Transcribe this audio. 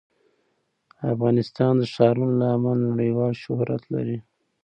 افغانستان د ښارونو له امله نړیوال شهرت لري.